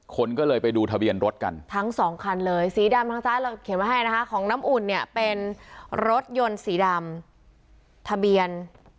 คนก็เลยไปดูทะเบียนรถกันทั้งสองคันเลยสีดำทางซ้ายเราเขียนไว้ให้นะคะของน้ำอุ่นเนี่ยเป็นรถยนต์สีดำทะเบียน